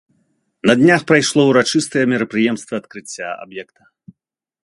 На днях прайшло ўрачыстае мерапрыемства адкрыцця аб'екта.